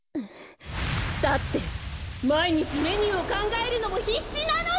だってまいにちメニューをかんがえるのもひっしなのよ！